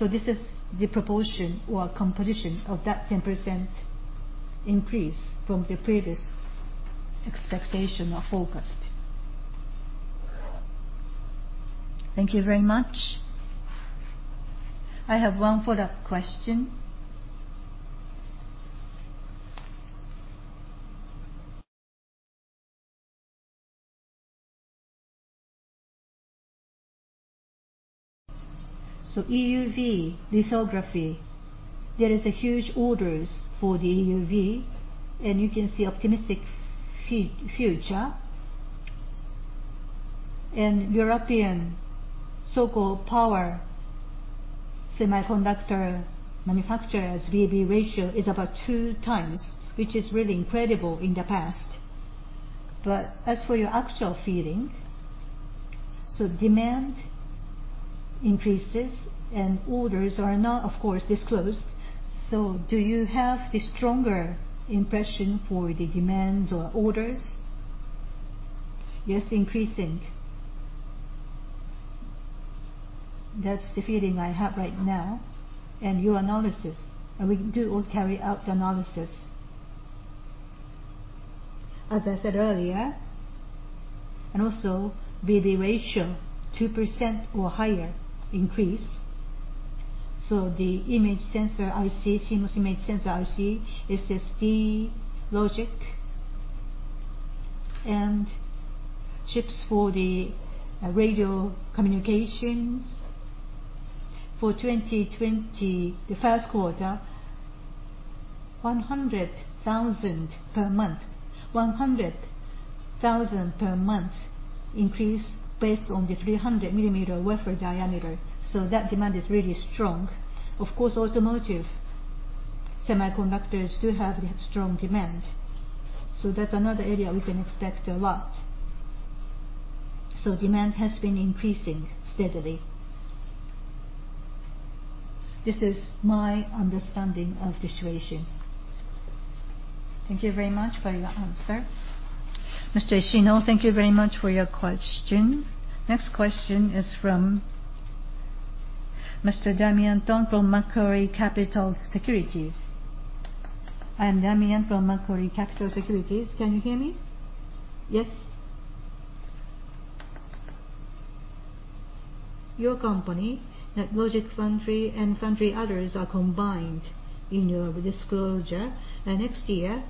Speaker 2: This is the proportion or composition of that 10% increase from the previous expectation or forecast.
Speaker 10: Thank you very much. I have one follow-up question. EUV lithography, there is a huge orders for the EUV, and you can see optimistic future. In European so-called power semiconductor manufacturers, BB ratio is about 2x, which is really incredible in the past. As for your actual feeling, demand increases and orders are not, of course, disclosed. Do you have the stronger impression for the demands or orders?
Speaker 2: Yes, increasing. That's the feeling I have right now. We do carry out the analysis. As I said earlier, and also BB ratio, 2% or higher increase. The Image Sensor IC, CMOS Image Sensor IC, SSD logic, and chips for the radio communications for 2020, the first quarter, 100,000 per month. 100,000 per month increase based on the 300 mm wafer diameter. That demand is really strong. Of course, automotive semiconductors do have a strong demand. That's another area we can expect a lot. Demand has been increasing steadily. This is my understanding of the situation.
Speaker 10: Thank you very much for your answer.
Speaker 1: Mr. Ishino, thank you very much for your question. Next question is from Mr. Damian Thong from Macquarie Capital Securities.
Speaker 11: I am Damian Thong from Macquarie Capital Securities. Can you hear me?
Speaker 1: Yes.
Speaker 11: Your company's net, logic, foundry, and others are combined in your disclosure. Next year,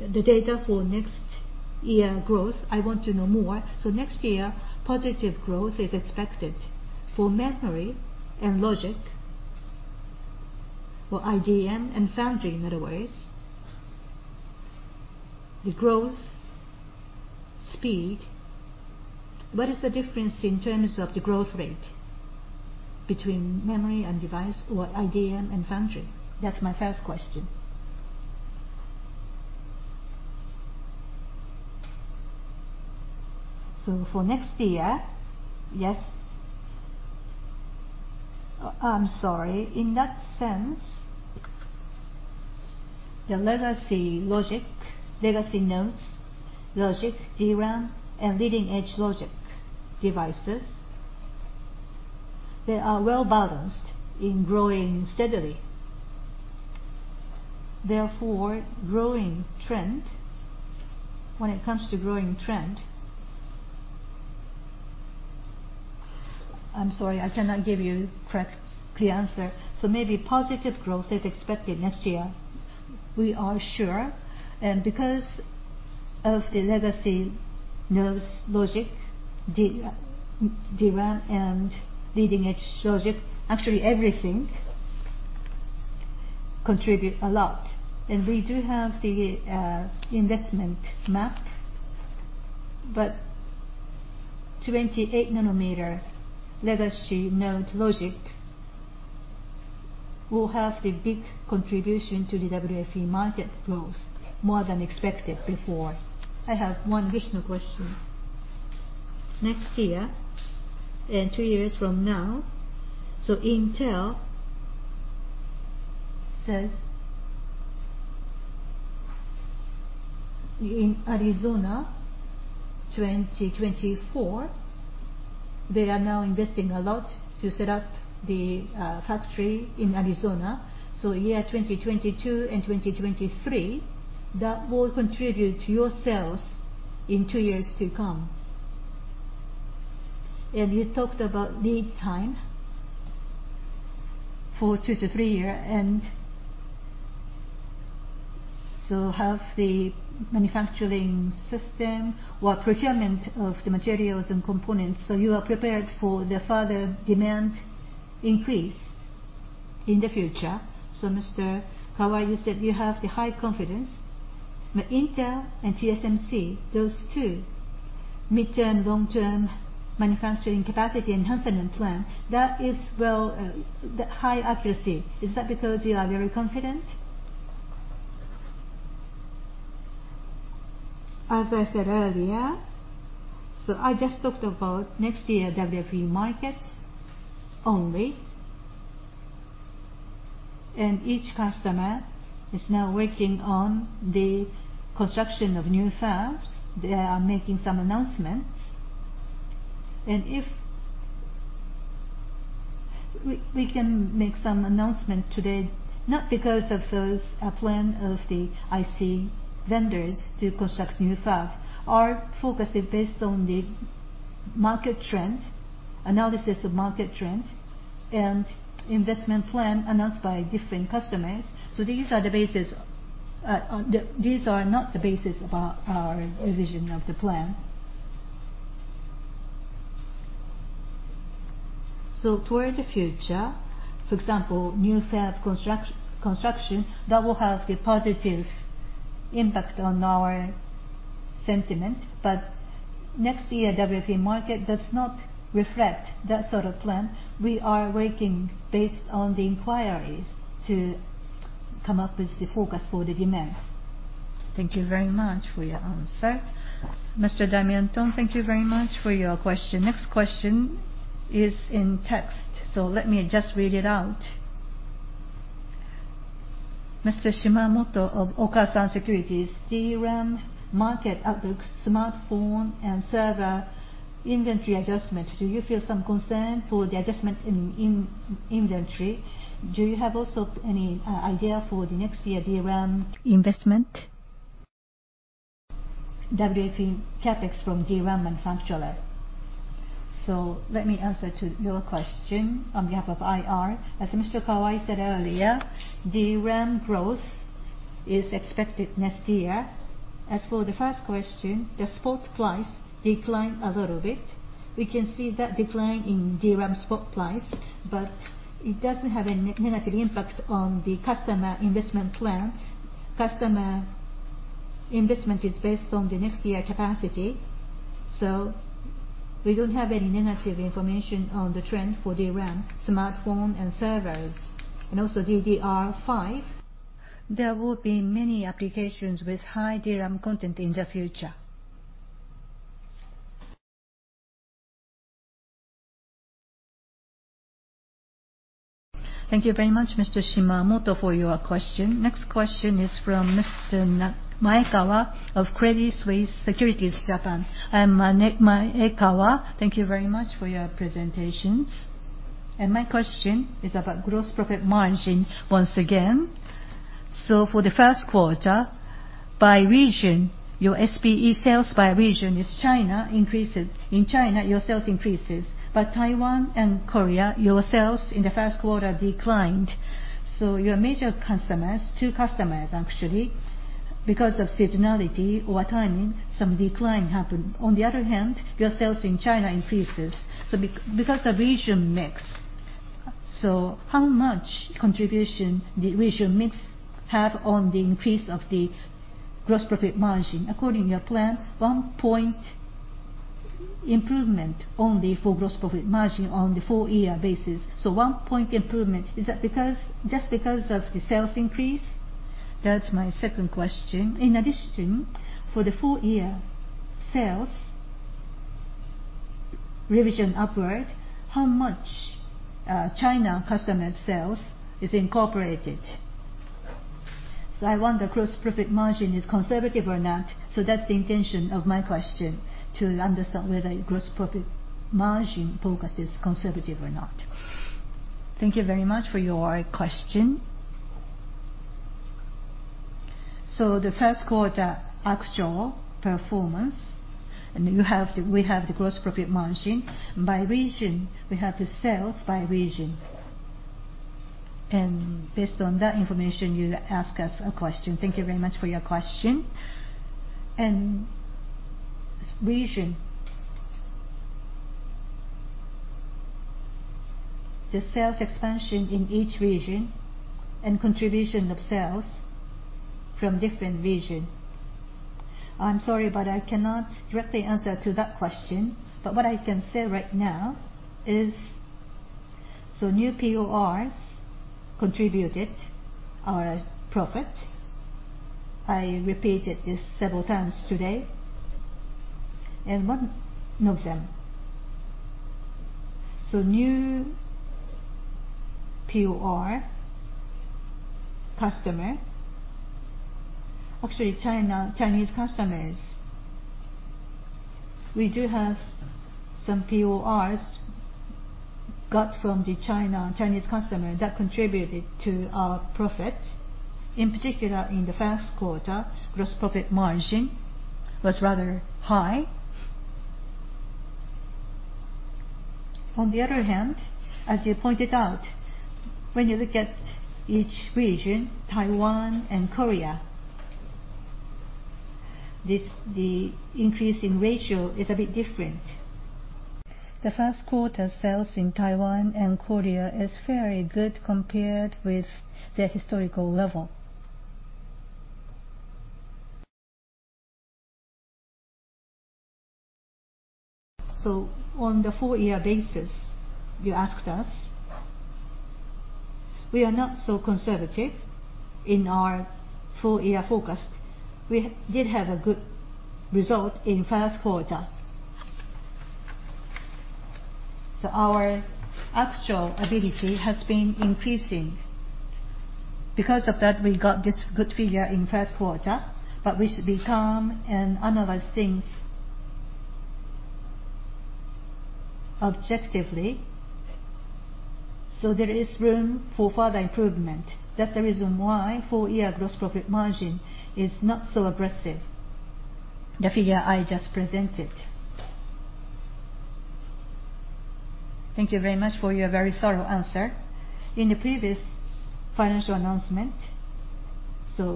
Speaker 11: the data for next year growth, I want to know more. Next year, positive growth is expected for memory and logic, or IDM and foundry, in other words. The growth speed, what is the difference in terms of the growth rate between memory and device, or IDM and foundry? That's my first question.
Speaker 2: For next year, yes. I'm sorry. In that sense, the legacy nodes, logic, DRAM, and leading-edge logic devices, they are well-balanced in growing steadily. When it comes to growing trend, I'm sorry, I cannot give you correct, clear answer. Maybe positive growth is expected next year. We are sure, because of the legacy nodes logic, DRAM, and leading-edge logic, actually everything contribute a lot. We do have the investment map, but 28 nm legacy node logic will have the big contribution to the WFE market growth, more than expected before.
Speaker 11: I have one additional question. Next year, and two years from now, Intel says in Arizona 2024, they are now investing a lot to set up the factory in Arizona. Year 2022 and 2023, that will contribute to your sales in two years to come. You talked about lead time for two to three year, have the manufacturing system or procurement of the materials and components, you are prepared for the further demand increase in the future. Mr. Kawai, you said you have the high confidence, Intel and TSMC, those two midterm, long-term manufacturing capacity enhancement plan, that is high accuracy. Is that because you are very confident?
Speaker 2: As I said earlier, I just talked about next year WFE market only. Each customer is now working on the construction of new fabs. They are making some announcements, and if we can make some announcement today, not because of those plan of the IC vendors to construct new fab. Our focus is based on the market trend, analysis of market trend, and investment plan announced by different customers. These are not the basis of our vision of the plan. Toward the future, for example, new fab construction, that will have a positive impact on our sentiment. Next year WFE market does not reflect that sort of plan. We are working based on the inquiries to come up with the focus for the demand.
Speaker 11: Thank you very much for your answer.
Speaker 1: Mr. Damian Thong, thank you very much for your question. Next question is in text, so let me just read it out. Mr. Shimamoto of Okasan Securities. DRAM market outlook, smartphone, and server inventory adjustment. Do you feel some concern for the adjustment in inventory? Do you have also any idea for the next year DRAM investment? WFE CapEx from DRAM manufacturer. Let me answer to your question on behalf of IR. As Mr. Kawai said earlier, DRAM growth is expected next year. As for the first question, the spot price declined a little bit. We can see that decline in DRAM spot price, but it doesn't have a negative impact on the customer investment plan. Customer investment is based on the next year capacity. We don't have any negative information on the trend for DRAM, smartphone, and servers, and also DDR5. There will be many applications with high DRAM content in the future. Thank you very much, Mr. Shimamoto, for your question. Next question is from Mr. Maekawa of Credit Suisse Securities Japan.
Speaker 12: I am Maekawa. Thank you very much for your presentations. My question is about gross profit margin once again. For the first quarter, by region, your SPE sales by region China increases. In China, your sales increases. Taiwan and Korea, your sales in the first quarter declined. So your major customers, two customers actually, because of seasonality or timing, some decline happened. On the other hand, your sales in China increases. Because of region mix, how much contribution the region mix have on the increase of the gross profit margin? According to your plan, 1 point improvement only for gross profit margin on the full year basis. 1 point improvement, is that just because of the sales increase? That's my second question. In addition, for the full year sales revision upward, how much China customer sales is incorporated? I wonder, gross profit margin is conservative or not. That's the intention of my question, to understand whether your gross profit margin focus is conservative or not.
Speaker 3: Thank you very much for your question. The first quarter actual performance, and we have the gross profit margin by region. We have the sales by region. Based on that information, you ask us a question. Thank you very much for your question. Region, the sales expansion in each region and contribution of sales from different region. I'm sorry, but I cannot directly answer to that question. What I can say right now is, new PORs contributed our profit. I repeated this several times today, and one of them. New POR customer, actually Chinese customers, we do have some PORs got from the Chinese customer that contributed to our profit. In particular, in the first quarter, gross profit margin was rather high. On the other hand, as you pointed out, when you look at each region, Taiwan and Korea, the increase in ratio is a bit different. The first quarter sales in Taiwan and Korea is very good compared with their historical level. On the full year basis, you asked us, we are not so conservative in our full year forecast. We did have a good result in first quarter. Our actual ability has been increasing. Because of that, we got this good figure in first quarter, but we should be calm and analyze things objectively. There is room for further improvement. That's the reason why full year gross profit margin is not so aggressive, the figure I just presented.
Speaker 12: Thank you very much for your very thorough answer. In the previous financial announcement,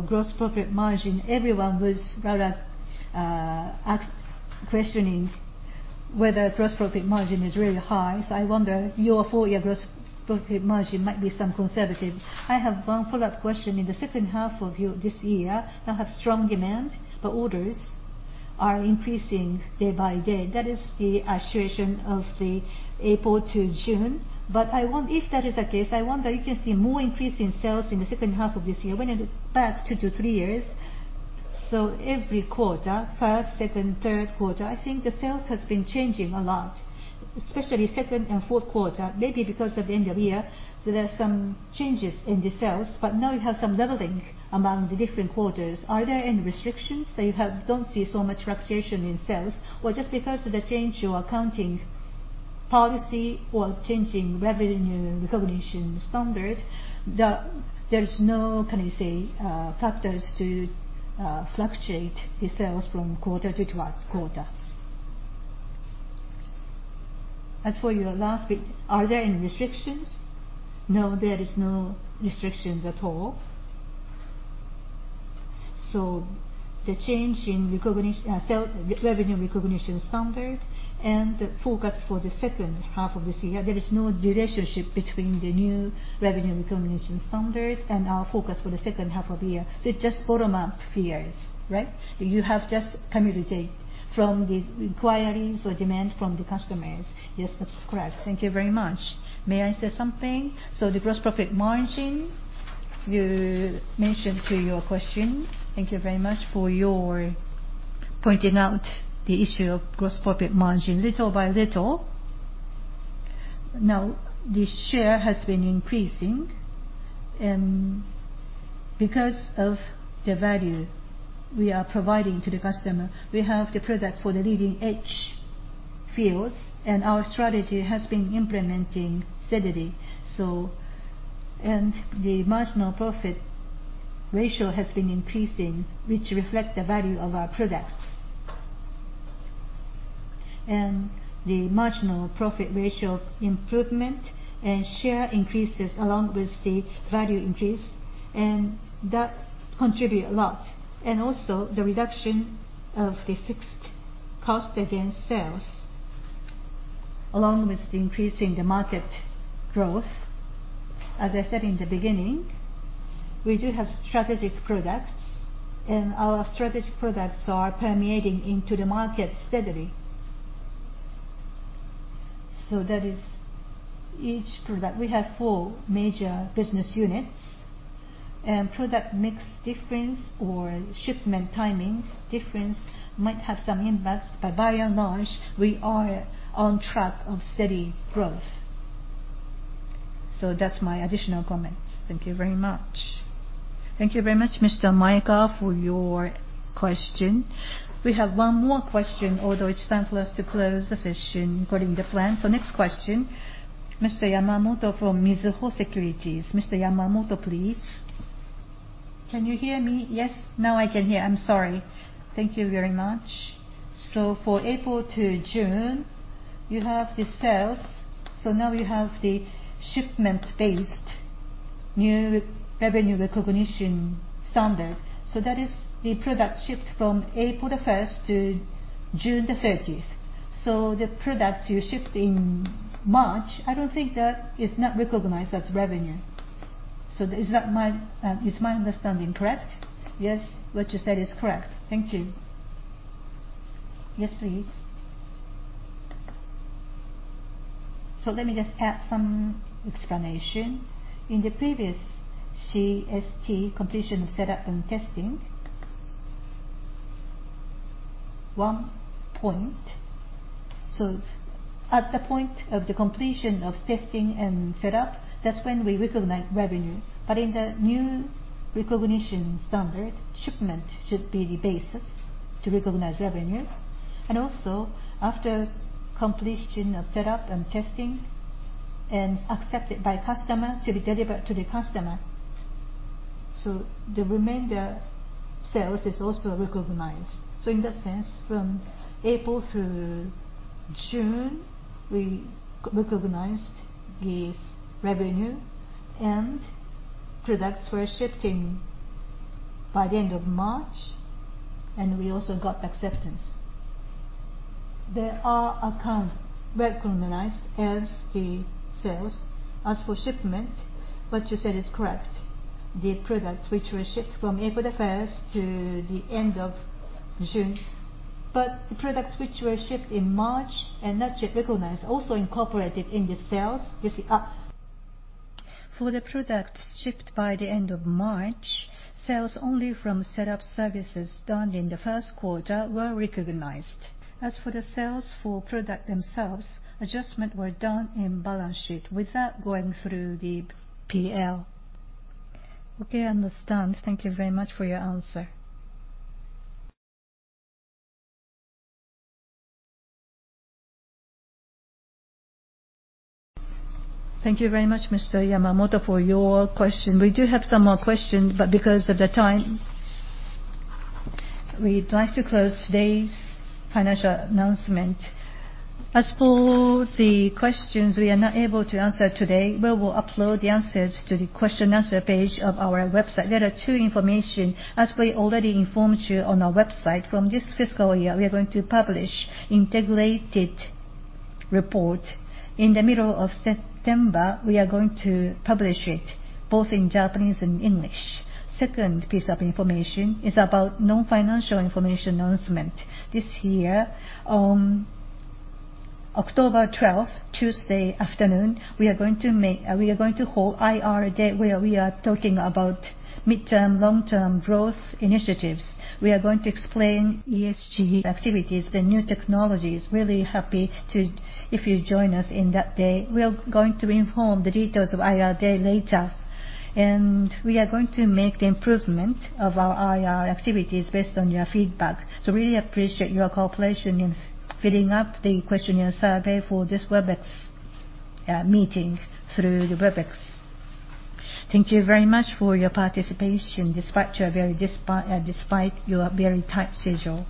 Speaker 12: gross profit margin, everyone was rather questioning whether gross profit margin is really high. I wonder, your full year gross profit margin might be some conservative. I have one follow-up question. In the second half of this year, you have strong demand, but orders are increasing day by day. That is the situation of the April to June. If that is the case, I wonder if you can see more increase in sales in the second half of this year. When I look back two to three years, every quarter, first, second, third quarter, I think the sales has been changing a lot, especially second and fourtth quarter, maybe because of the end of year. There are some changes in the sales, but now you have some leveling among the different quarters. Are there any restrictions that you don't see so much fluctuation in sales? Just because of the change to accounting policy or changing revenue recognition standard, there's no factors to fluctuate the sales from quarter to quarter?
Speaker 3: As for your last bit, are there any restrictions? No, there is no restrictions at all. The change in revenue recognition standard and the forecast for the second half of this year, there is no relationship between the new revenue recognition standard and our forecast for the second half of the year.
Speaker 12: It just bottom up figures, right? You have just communicate from the inquiries or demand from the customers.
Speaker 3: Yes, that's correct.
Speaker 12: Thank you very much.
Speaker 2: May I say something? The gross profit margin, you mentioned to your question. Thank you very much for your pointing out the issue of gross profit margin. Little by little, now the share has been increasing. Because of the value we are providing to the customer, we have the product for the leading-edge fields, and our strategy has been implementing steadily. The marginal profit ratio has been increasing, which reflect the value of our products. The marginal profit ratio improvement and share increases along with the value increase, and that contribute a lot. Also, the reduction of the fixed cost against sales, along with the increase in the market growth. As I said in the beginning, we do have strategic products, and our strategic products are permeating into the market steadily. That is each product. We have four major business units, and product mix difference or shipment timing difference might have some impacts, but by and large, we are on track of steady growth. That's my additional comments.
Speaker 12: Thank you very much.
Speaker 1: Thank you very much, Mr. Maekawa, for your question. We have one more question, although it's time for us to close the session according to plan. Next question, Mr. Yamamoto from Mizuho Securities. Mr. Yamamoto, please.
Speaker 13: Can you hear me?
Speaker 1: Yes, now I can hear.
Speaker 13: I'm sorry. Thank you very much. For April to June, you have the sales. Now you have the shipment-based new revenue recognition standard. That is the product shipped from April the 1st to June the 30th. The product you shipped in March, I don't think that is not recognized as revenue. Is my understanding correct?
Speaker 2: Yes, what you said is correct.
Speaker 13: Thank you. Yes, please.
Speaker 3: Let me just add some explanation. In the previous CST, completion, setup, and testing, 1 point. At the point of the completion of testing and setup, that's when we recognize revenue. In the new recognition standard, shipment should be the basis to recognize revenue. Also, after completion of setup and testing and accepted by customer, to be delivered to the customer. The remainder sales is also recognized. In that sense, from April through June, we recognized the revenue and products were shipping by the end of March, and we also got acceptance. They are accounted, recognized as the sales. As for shipment, what you said is correct, the products which were shipped from April 1st to the end of June. The products which were shipped in March and not yet recognized, also incorporated in the sales you see up. For the products shipped by the end of March, sales only from setup services done in the first quarter were recognized. As for the sales for products themselves, adjustments were done in balance sheet without going through the PL.
Speaker 13: Okay, understand. Thank you very much for your answer.
Speaker 1: Thank you very much, Mr. Yamamoto, for your question. We do have some more questions, but because of the time, we'd like to close today's financial announcement. As for the questions we are not able to answer today, we will upload the answers to the question and answer page of our website. There are two information, as we already informed you on our website, from this fiscal year, we are going to publish integrated report. In the middle of September, we are going to publish it both in Japanese and English. Second piece of information is about non-financial information announcement. This year, on October 12th, Tuesday afternoon, we are going to hold IR Day where we are talking about midterm, long-term growth initiatives. We are going to explain ESG activities, the new technologies. Really happy if you join us in that day. We are going to inform the details of IR day later, and we are going to make the improvement of our IR activities based on your feedback. Really appreciate your cooperation in filling up the questionnaire survey for this Webex meeting through the Webex. Thank you very much for your participation, despite your very tight schedule.